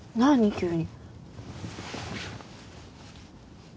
急に。